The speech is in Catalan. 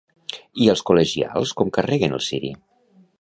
I els col·legials com carreguen el ciri?